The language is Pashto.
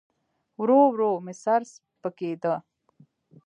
ورو ورو مې سر سپکېده.